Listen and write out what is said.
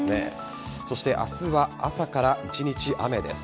そして明日は朝から一日雨です。